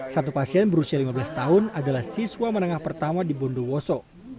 satu pasien berusia lima belas tahun adalah siswa menengah pertama di bondowoso